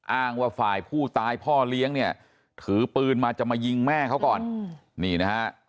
อ้างว่าฝ่ายผู้ตายพ่อเลี้ยงเนี่ยถือปืนมาจะมายิงแม่เขาก่อนนี่นะฮะ